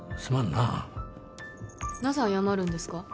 なぜ謝るんですか？